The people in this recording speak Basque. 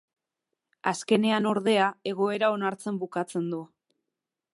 Azkenean, ordea, egoera onartzen bukatzen du.